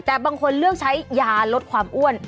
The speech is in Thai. แต่บางคนเลือกใช้ยาลดความอ้วน